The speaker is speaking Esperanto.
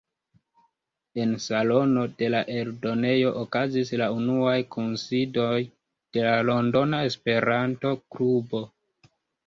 En salono de la eldonejo okazis la unuaj kunsidoj de la Londona Esperanto Klubo.